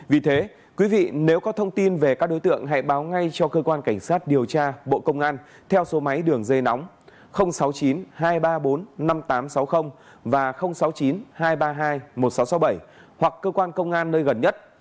vì thế quý vị nếu có thông tin về các đối tượng hãy báo ngay cho cơ quan cảnh sát điều tra bộ công an theo số máy đường dây nóng sáu mươi chín hai trăm ba mươi bốn năm nghìn tám trăm sáu mươi và sáu mươi chín hai trăm ba mươi hai một nghìn sáu trăm sáu mươi bảy hoặc cơ quan công an nơi gần nhất